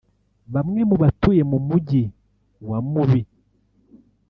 Bamwe mu batuye mu Mujyi wa Mubi